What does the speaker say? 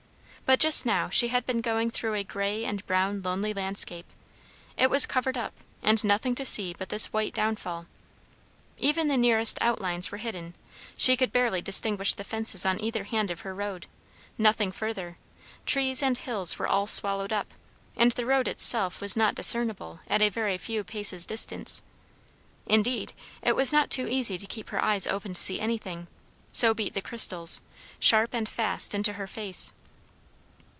But just now she had been going through a grey and brown lonely landscape; it was covered up, and nothing to see but this white downfall. Even the nearest outlines were hidden; she could barely distinguish the fences on either hand of her road; nothing further; trees and hills were all swallowed up, and the road itself was not discernible at a very few paces' distance. Indeed, it was not too easy to keep her eyes open to see anything, so beat the crystals, sharp and fast, into her face.